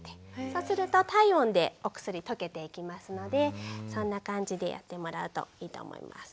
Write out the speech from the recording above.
そうすると体温でお薬溶けていきますのでそんな感じでやってもらうといいと思います。